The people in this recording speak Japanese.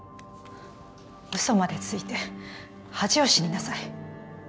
嘘までついて恥を知りなさい